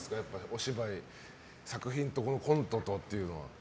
お芝居、作品とコントとっていうのは。